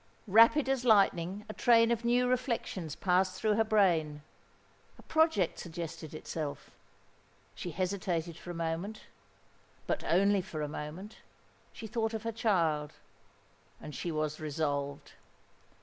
Rapid as lightning a train of new reflections passed through her brain:—a project suggested itself;—she hesitated for a moment—but only for a moment:—she thought of her child—and she was resolved.